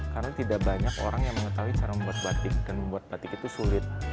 karena tidak banyak orang yang mengetahui cara membuat batik dan membuat batik itu sulit